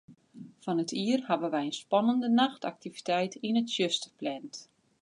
Fan 't jier hawwe wy in spannende nachtaktiviteit yn it tsjuster pland.